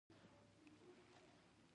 خوب د نرم ذهن عکس دی